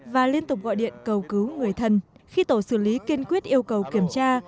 và liên tục gọi điện cầu cứu người thân khi tổ xử lý kiên quyết yêu cầu kiểm tra